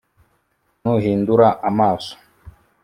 Nuhindura amaso,